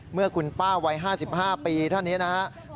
เมื่อคุณป้าวัย๕๕ปีท่านนี้นะครับ